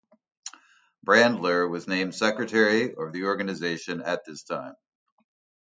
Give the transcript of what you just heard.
Brandler was named Secretary of the organization at this time.